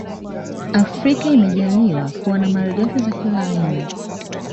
Afrika imejaaliwa kuwa malighafi za kila aina